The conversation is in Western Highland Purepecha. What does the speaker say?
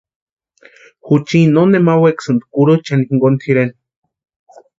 Juchini no nema wekasïnti kurucha jinkoni tʼireni.